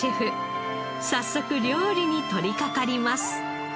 早速料理に取りかかります。